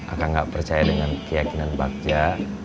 akan nggak percaya dengan keyakinan bagja